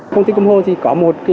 công ty công hôn thì có một